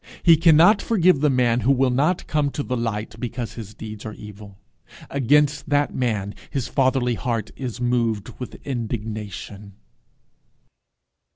He cannot forgive the man who will not come to the light because his deeds are evil. Against that man his fatherly heart is moved with indignation.